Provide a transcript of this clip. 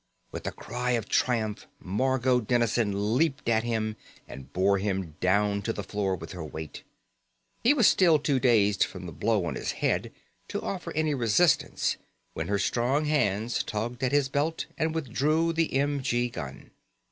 With a cry of triumph, Margot Dennison leaped at him and bore him down to the floor with her weight. He was still too dazed from the blow on his head to offer any resistance when her strong hands tugged at his belt and withdrew the m.g. gun.